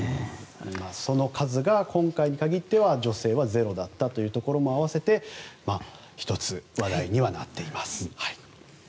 その数が今回に限っては女性はゼロだったというところも併せて１つ、話題にはなっています。